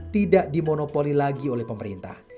tidak dimonopoli lagi oleh pemerintah